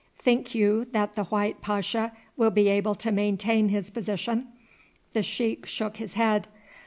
"Think you that the white pasha will be able to maintain his position?" The sheik shook his head.